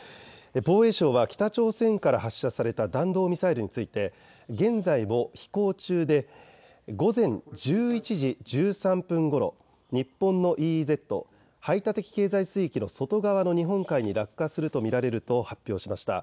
防衛省は北朝鮮から発射された弾道ミサイルについて現在も飛行中で午前１１時１３分ごろ、日本のＥＥＺ・排他的経済水域の外側の日本海に落下すると見られると発表しました。